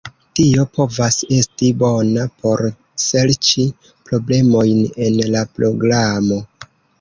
Tio povas esti bona por serĉi problemojn en la programo.